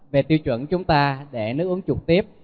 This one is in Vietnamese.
về tiêu chuẩn chúng ta để nước uống trực tiếp